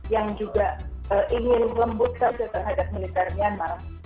yang juga ingin lembut saja terhadap militer myanmar